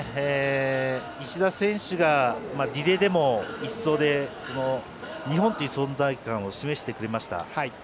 石田選手がリレーでも１走で日本という存在感を示してくれました。